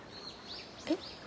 えっ？